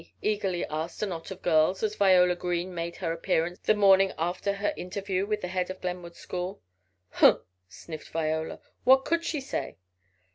eagerly asked a knot of girls, as Viola Green made her appearance the morning after her interview with the head of Glenwood school. "Humph!" sniffed Viola, "what could she say?"